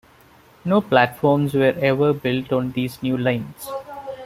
No platforms were ever built on these new lines.